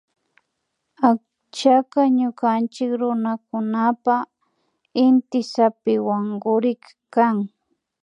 Akchaka ñukanchik runakunapan inty zapiwankurik kan